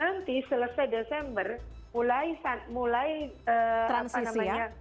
nanti selesai desember mulai transisi ya